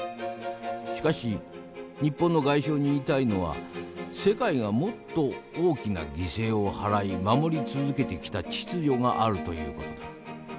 しかし日本の外相に言いたいのは世界がもっと大きな犠牲を払い守り続けてきた秩序があるという事だ。